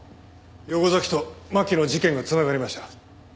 横崎と巻の事件が繋がりました。